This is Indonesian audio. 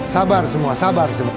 sabar semua sabar semua